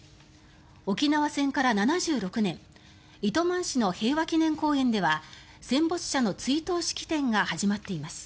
沖縄戦から７６年糸満市の平和祈念公園では戦没者の追悼式典が始まっています。